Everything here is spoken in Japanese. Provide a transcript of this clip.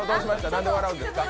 なんで笑うんですか？